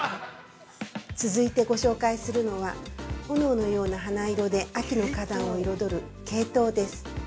◆続いてご紹介するのは炎のような花色で秋の花壇を彩るケイトウです。